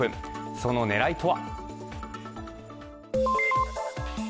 その狙いとは？